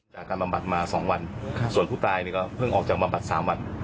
จากการบำบัดมาสองวันส่วนผู้ตายก็เพิ่งออกจากบำบัดสามวัน